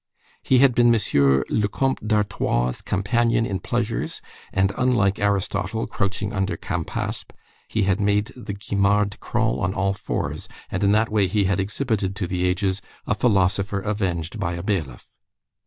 He had been M. le Comte d'Artois' companion in pleasures and unlike Aristotle crouching under Campaspe, he had made the Guimard crawl on all fours, and in that way he had exhibited to the ages a philosopher avenged by a bailiff.